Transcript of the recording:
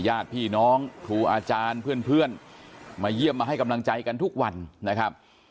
ญาติพี่น้องครูอาจารย์เพื่อนมาเยี่ยมมาให้กำลังใจกันทุกวันนะครับ